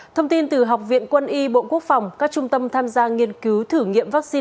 thông tin từ học viện quân y bộ quốc phòng các trung tâm tham gia nghiên cứu thử nghiệm vaccine